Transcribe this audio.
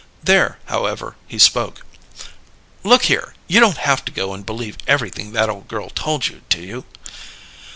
There, however, he spoke. "Look here! You don't haf to go and believe everything that ole girl told you, do you?"